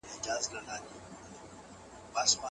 دا ونې ډېر کلونه پخوا کېنول شوې وې.